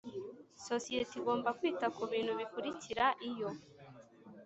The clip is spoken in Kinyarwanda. Sosiyete igomba kwita ku bintu bikurikira iyo